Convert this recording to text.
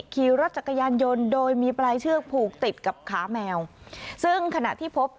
ขี่รถจักรยานยนต์โดยมีปลายเชือกผูกติดกับขาแมวซึ่งขณะที่พบ